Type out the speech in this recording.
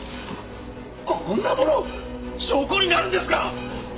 こんなもの証拠になるんですか！